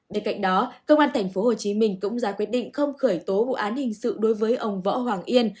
để cạnh đó cơ quan tp hcm cũng ra quyết định không khởi tố vụ án hình sự đối với ông võ hoàng yên